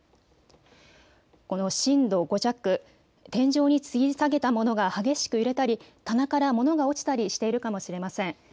この震度５弱、天井につり下げたものが激しく揺れたり棚から物が落ちたりしているかもしれません。